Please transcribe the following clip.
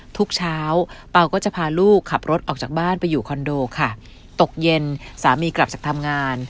ทุกเช้าเปล่าก็จะพาลูกขับรถออกจากบ้านไปอยู่คอนโดค่ะตกเย็นสามีกลับจากทำงาน